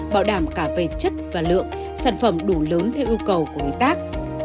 bảo đảm cả về chất và lượng sản phẩm đủ lớn theo yêu cầu của đối tác